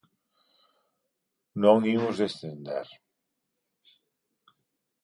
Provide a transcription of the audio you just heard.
Non imos descender.